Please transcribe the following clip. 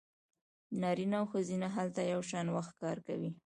نارینه او ښځینه هلته یو شان وخت کار کوي